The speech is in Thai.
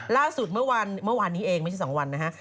ล่าสุดเมื่อวานเมื่อวานนี้เองไม่ใช่สองวันนะฮะ